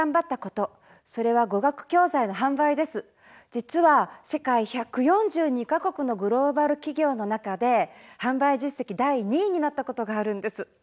実は世界１４２か国のグローバル企業の中で販売実績第２位になったことがあるんです。